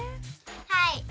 はい。